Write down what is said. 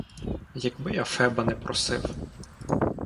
Якби я Феба не просив.